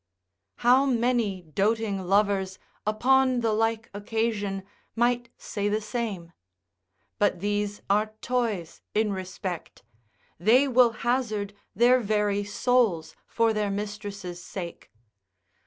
How many doting lovers upon the like occasion might say the same? But these are toys in respect, they will hazard their very souls for their mistress' sake.